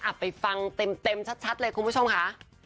อับไปฟังเต็มเต็มชัดชัดเลยคุณผู้ชมค่ะ